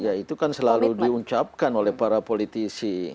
ya itu kan selalu diucapkan oleh para politisi